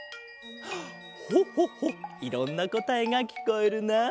ホホホいろんなこたえがきこえるな。